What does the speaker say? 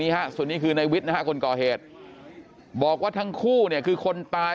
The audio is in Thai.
ฮะส่วนนี้คือในวิทย์นะฮะคนก่อเหตุบอกว่าทั้งคู่เนี่ยคือคนตาย